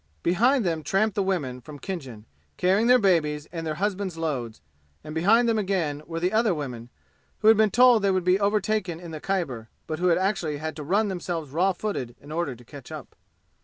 Behind them tramped the women from Khinjan, carrying their babies and their husbands loads; and behind them again were the other women, who had been told they would be overtaken in the Khyber, but who had actually had to run themselves raw footed in order to catch up.